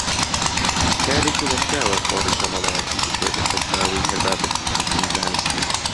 کارێکی نەشیاوە تۆڕی کۆمەڵایەتی بکرێتە سەرچاوەی هەر بابەتێکی تری زانستی